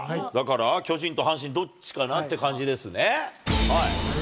だから、巨人と阪神、どっちかなっていう感じですね。